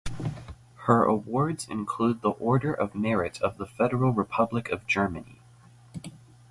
Her awards include the Order of Merit of the Federal Republic of Germany.